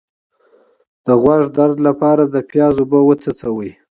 د غوږ درد لپاره د پیاز اوبه وڅڅوئ